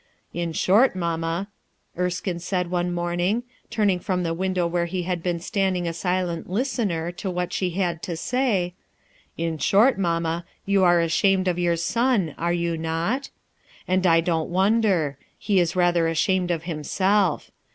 « In short, mamma/' Erskine said one morn ing, turning from the window where he had been standing a silent listener to what she had to say, ,; In short, mamma, you are ashamed of your son, are you not? And I don't wonder he is rather ashamed of himself.